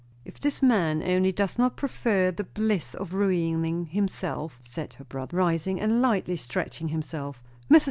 "If this man only does not prefer the bliss of ruining himself!" said her brother, rising and lightly stretching himself. Mrs.